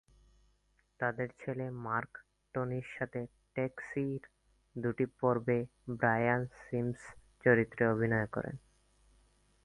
তাদের ছেলে মার্ক টনির সাথে "ট্যাক্সি"র দুটি পর্বে ব্রায়ান সিমস চরিত্রে অভিনয় করেন।